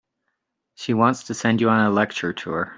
She wants to send you on a lecture tour.